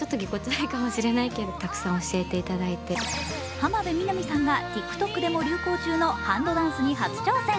浜辺美波さんがＴｉｋＴｏｋでも流行中のハンドダンスに初挑戦。